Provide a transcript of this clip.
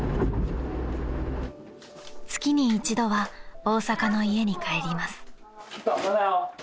［月に一度は大阪の家に帰ります］